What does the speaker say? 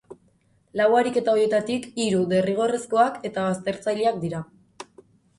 Lau ariketa horietatik hiru derrigorrezkoak eta baztertzaileak dira.